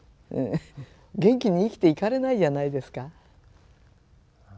元気に生きていかれないじゃないですか。